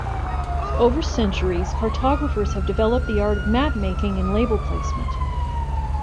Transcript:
Over centuries, cartographers have developed the art of mapmaking and label placement.